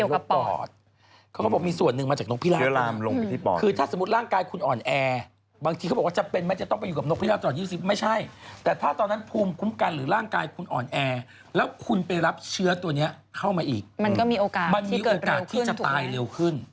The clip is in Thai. มันก็มีโอกาสที่เกิดเร็วขึ้นถูกไหมครับมันมีโอกาสที่จะตายเร็วขึ้น